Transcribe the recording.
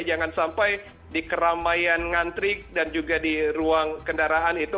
jangan sampai di keramaian ngantrik dan juga di ruang kendaraan itu